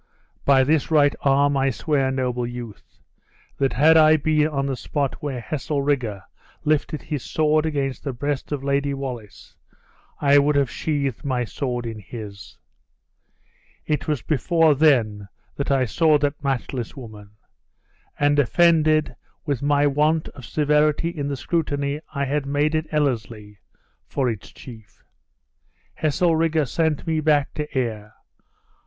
"By this right arm, I swear, noble youth, that had I been on the spot when Heselrigge, lifted his sword against the breast of Lady Wallace, I would have sheathed my sword in his. It was before then that I saw that matchless woman; and offended with my want of severity in the scrutiny I had made at Ellerslie for its chief. Heselrigge sent me back to Ayr.